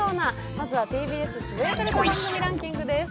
まずは「ＴＢＳつぶやかれた番組ランキング」です。